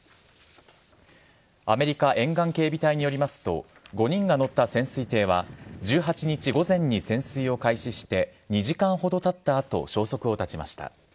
アメリカ沿岸警備隊によりますと、５人が乗った潜水艇は、１８日午前に潜水を開始して２時間ほどたったあと、消息を絶ちました。